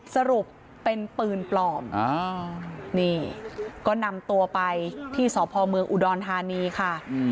สรุปเป็นปืนปลอมนี่ก็นำตัวไปที่สพเมืองอุดรธานีค่ะ